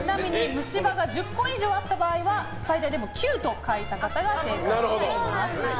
虫歯が１０本以上あった場合は最大でも９と書いた方が正解です。